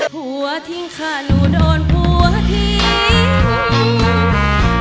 หัวทิ้งค่ะหนูโดนผัวทิ้ง